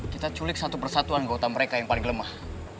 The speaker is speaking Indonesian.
kita culik satu persatuan gautam mereka yang paling lemah